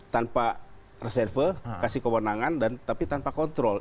tanpa reserve kasih kewenangan dan tapi tanpa kontrol